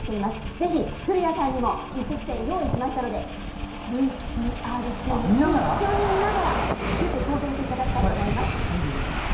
ぜひ、古谷さんにも一筆せんをご用意しましたのでＶＴＲ中に一緒に見ながら挑戦していただきたいと思います。